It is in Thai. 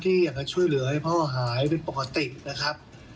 อยากจะช่วยเหลือให้พ่อหายเป็นปกตินะครับ